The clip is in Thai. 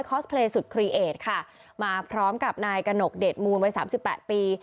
สเพลย์สุดครีเอทค่ะมาพร้อมกับนายกระหนกเดชมูลวัยสามสิบแปดปี